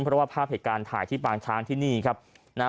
เพราะว่าภาพเหตุการณ์ถ่ายที่ปางช้างที่นี่ครับนะฮะ